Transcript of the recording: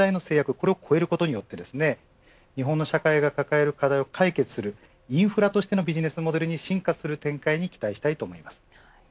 これを越えることによって日本の社会が抱える課題を解決するインフラとしてのビジネスモデルに進化する展開に期待したいと思います。